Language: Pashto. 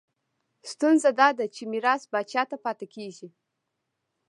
ستونزه دا ده چې میراث پاچا ته پاتې کېږي.